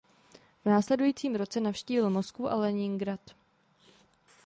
V následujícím roce navštívil Moskvu a Leningrad.